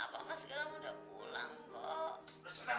apa menjadi song money